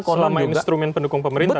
selama instrumen pendukung pemerintah